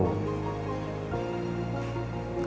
bahwa kejadian di hotel altair itu memang